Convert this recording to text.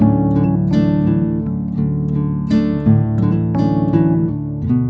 apa keluar dulu ya